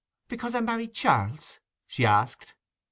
'Because I married Charles?' she asked.